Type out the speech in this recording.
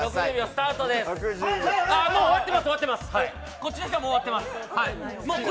こっちの人は、もう終わってます。